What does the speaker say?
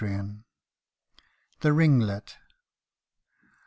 249 THE RINGLET.